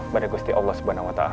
pada gusti allah subhanahu wa ta'ala